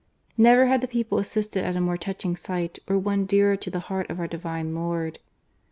Never had the people assisted at a more touching sight, or one dearer to the Heart of our Divine Lord.